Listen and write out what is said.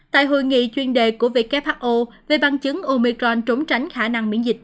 tại hội nghị chuyên đề của who về bằng chứng omecon trốn tránh khả năng miễn dịch